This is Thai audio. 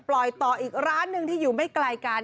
ปล่อยต่ออีกร้านนึงที่อยู่ไม่ไกลการ